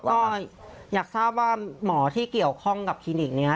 ก็อยากทราบว่าหมอที่เกี่ยวข้องกับคลินิกนี้